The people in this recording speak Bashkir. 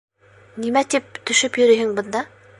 Нимә тип төшөп йөрөйһөң бында?